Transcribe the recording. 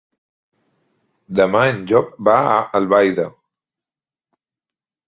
Demà en Llop va a Albaida.